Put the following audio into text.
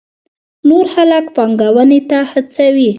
نور خلک پانګونې ته هڅوي.